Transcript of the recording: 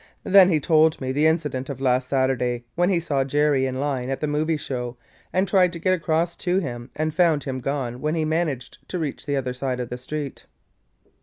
Then he told me the incident of last Saturday when he saw Jerry in line at the movie show and tried to get across to him and found him gone when he managed to reach the other side of the street.